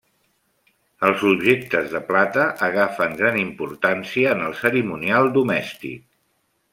Els objectes de plata agafen gran importància en el cerimonial domèstic.